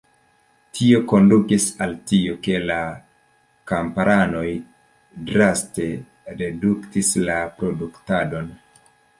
Tio kondukis al tio, ke la kamparanoj draste reduktis la produktadon.